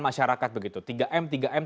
masyarakat begitu tiga m tiga m